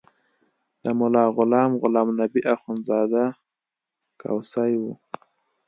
د ملا غلام غلام نبي اخندزاده کوسی و.